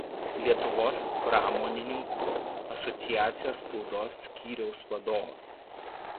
Lietuvos pramonininkų asociacijos spaudos skyriaus vadovas.